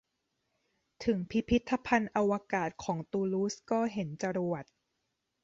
ถึงพิพิธภัณฑ์อวกาศของตูลูสก็เห็นจรวด